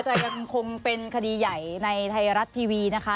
จะยังคงเป็นคดีใหญ่ในไทยรัฐทีวีนะคะ